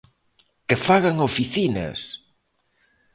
"Que fagan oficinas!".